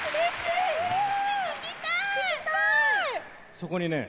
そこにね